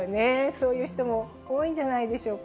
そういう人も多いんじゃないでしょうか。